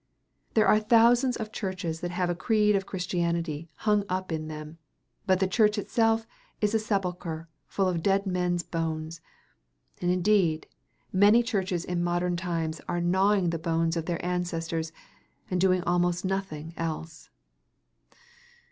There are thousands of churches that have a creed of Christianity hung up in them, but the church itself is a sepulchre full of dead men's bones; and indeed, many churches in modern times are gnawing the bones of their ancestors, and doing almost nothing else.